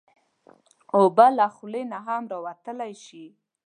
اوبه له خولې نه هم راوتلی شي.